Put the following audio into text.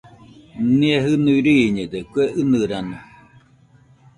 Nia jinui riiñede kue ɨnɨrano